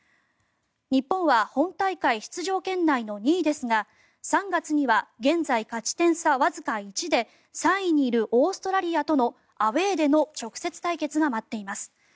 日本は本大会出場圏内の２位ですが３月には現在、勝ち点差わずか１で３位にいるオーストラリアとのアウェーでの直接対決が待っています。